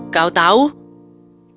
kau tahu boyfriend saya